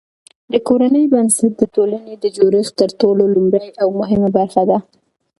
د کورنۍ بنسټ د ټولني د جوړښت تر ټولو لومړۍ او مهمه برخه ده.